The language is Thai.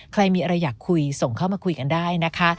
ใครมีอะไรอยากคุยส่งเข้ามาคุยกันได้นะคะ